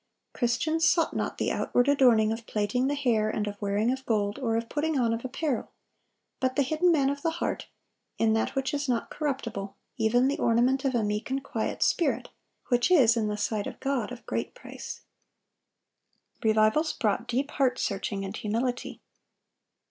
Christians sought not the "outward adorning of plaiting the hair, and of wearing of gold, or of putting on of apparel; but ... the hidden man of the heart, in that which is not corruptible, even the ornament of a meek and quiet spirit, which is in the sight of God of great price."(776) Revivals brought deep heart searching and humility.